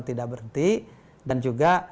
tidak berhenti dan juga